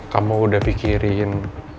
kamu udah pikirin